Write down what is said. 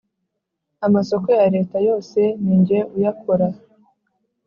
amasoko ya leta yose ninjye uyakora